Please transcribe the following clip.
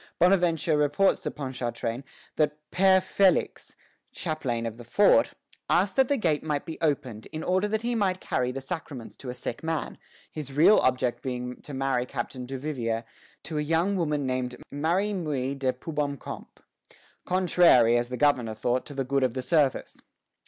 Bonaventure reports to Ponchartrain that Père Félix, chaplain of the fort, asked that the gate might be opened, in order that he might carry the sacraments to a sick man, his real object being to marry Captain Duvivier to a young woman named Marie Muis de Poubomcoup, contrary, as the governor thought, to the good of the service.